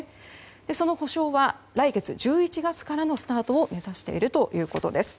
その補償は、来月１１月からのスタートを目指しているということです。